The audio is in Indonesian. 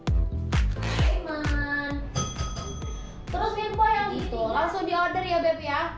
hai man terus info yang gitu langsung di order ya beb ya